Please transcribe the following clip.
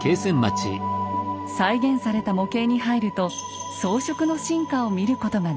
再現された模型に入ると装飾の進化を見ることができます。